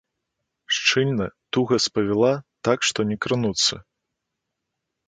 Шчыльна, туга спавіла, так, што не крануцца.